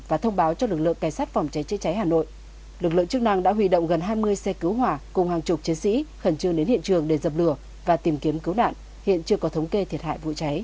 và thông báo cho lực lượng cài sát phòng cháy chế cháy hà nội